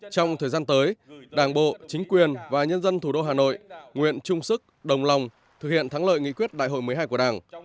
trong thời gian tới đảng bộ chính quyền và nhân dân thủ đô hà nội nguyện chung sức đồng lòng thực hiện thắng lợi nghị quyết đại hội một mươi hai của đảng